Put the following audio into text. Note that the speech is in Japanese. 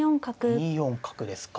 ２四角ですか。